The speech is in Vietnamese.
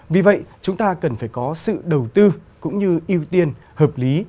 vì vậy chúng ta cần phải có sự đầu tư cũng như ưu tiên hợp lý